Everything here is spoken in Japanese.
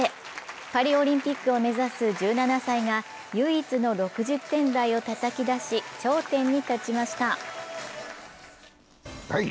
パリオリンピックを目指す１７歳が唯一の６０点台をたたき出し頂点に立ちました。